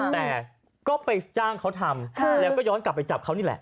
แต่ก็ไปจ้างเขาทำแล้วก็ย้อนกลับไปจับเขานี่แหละ